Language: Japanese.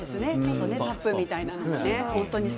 タップみたいなね。